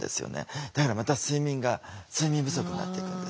だからまた睡眠が睡眠不足になっていくんです。